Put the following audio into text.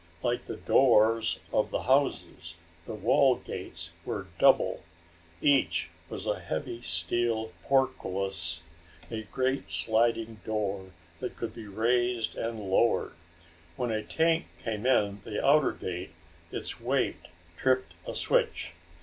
Like the doors of the houses, the wall gates were double. Each was a heavy steel portcullis, a great sliding door that could be raised and lowered. When a tank came in the outer gate its weight tripped a switch.